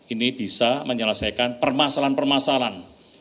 ini bisa menyelesaikan permasalahan permasalahan